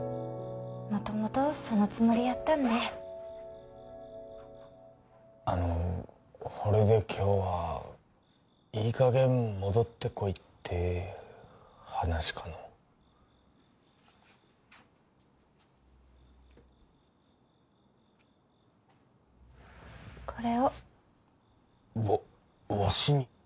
元々そのつもりやったんであのほれで今日はいい加減戻ってこいって話かのこれをわしに？